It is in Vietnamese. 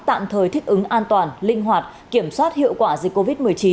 tạm thời thích ứng an toàn linh hoạt kiểm soát hiệu quả dịch covid một mươi chín